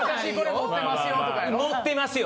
持ってますよ。